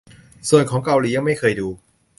ส่วนของเกาหลียังไม่เคยดู